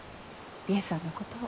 梨江さんのことを。